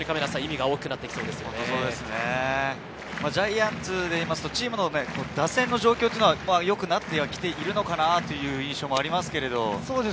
ジャイアンツでいうとチームの打線の状況は良くなってはきているのかなという印象もあります。